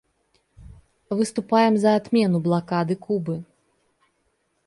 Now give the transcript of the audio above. Выступаем за отмену блокады Кубы.